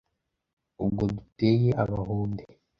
ubwo duteye abahunde,